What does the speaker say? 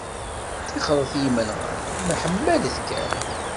Tixret i yimenɣan, mḥemmalet kan.